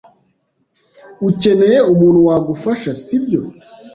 Ukeneye umuntu wagufasha, sibyo?